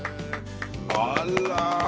・あら。